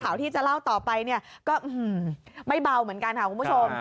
ข่าวที่จะเล่าต่อไปเนี่ยก็ไม่เบาเหมือนกันค่ะคุณผู้ชม